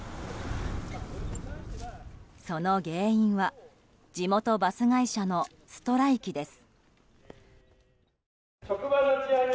その原因は地元バス会社のストライキです。